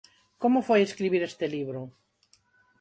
Como foi escribir este libro?